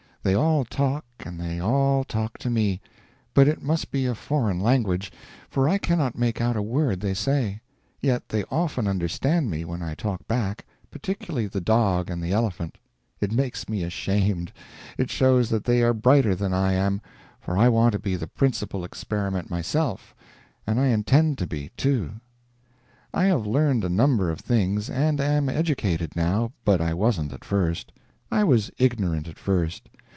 They all talk, and they all talk to me, but it must be a foreign language, for I cannot make out a word they say; yet they often understand me when I talk back, particularly the dog and the elephant. It makes me ashamed. It shows that they are brighter than I am, for I want to be the principal Experiment myself and I intend to be, too. I have learned a number of things, and am educated, now, but I wasn't at first. I was ignorant at first.